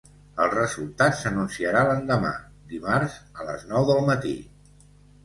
El resultat s’anunciarà l’endemà, dimarts, a les nou del matí.